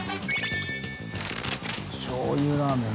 醤油ラーメン」